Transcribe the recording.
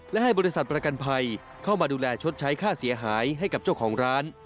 และให้บริษัทประกันภัยเข้ามาดูแลชดใช้ค่าเสียหายให้กับเจ้าของร้าน